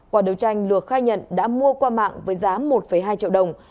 quả điều tranh luộc khai nhận đã mua qua mạng với giá một hai triệu đồng